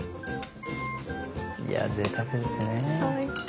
いやぜいたくですね。